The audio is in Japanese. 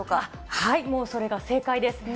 もうそれが正解です。